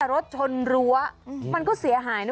รถชนรั้วมันก็เสียหายนะ